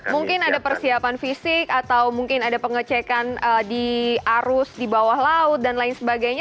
mungkin ada persiapan fisik atau mungkin ada pengecekan di arus di bawah laut dan lain sebagainya